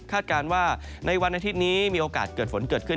การว่าในวันอาทิตย์นี้มีโอกาสเกิดฝนเกิดขึ้น